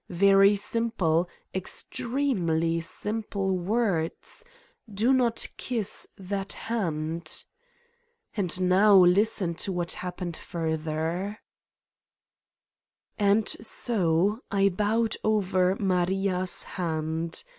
Very simple, extremely simple words: Do not kiss that hand! And now listen to what happened further: And so: I bowed over Maria's hand.